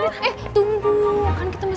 berh yuri pak tugas